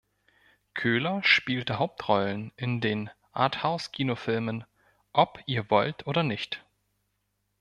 Köhler spielte Hauptrollen in den Arthouse-Kinofilmen "Ob ihr wollt oder nicht!